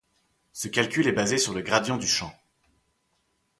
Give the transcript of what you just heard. Ce calcul est basé sur le gradient du champ.